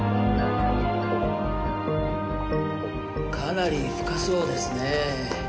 かなり深そうですね。